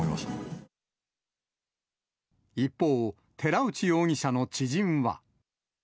一方、寺内容疑者の知人は。